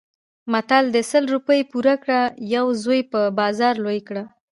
متل دی: سل روپۍ پور کړه یو زوی په بازار لوی کړه.